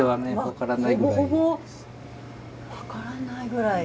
分からないぐらい。